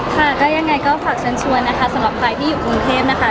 ค่ะก็ยังไงก็ฝากเชิญชวนนะคะสำหรับใครที่อยู่กรุงเทพนะคะ